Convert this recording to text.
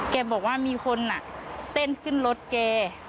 แกบอกว่ามีคนเต้นขึ้นรถแก